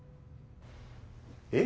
えっ？